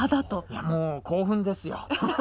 いやもう興奮ですよ。